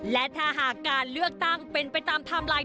และถ้าหากการเลือกตั้งเป็นไปตามไทม์ไลน์